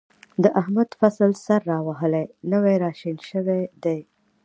د احمد فصل سر را وهلی، نوی را شین شوی دی.